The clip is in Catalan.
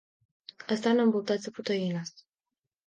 Estan envoltats de proteïnes.